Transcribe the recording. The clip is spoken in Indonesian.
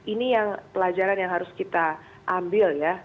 ini yang pelajaran yang harus kita ambil ya